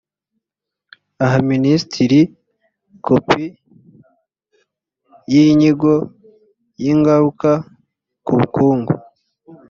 aha minisitiri kopi yinyigo y’ingaruka ku bukungu